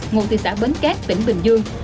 ngụ tỷ xã bến cát tỉnh bình dương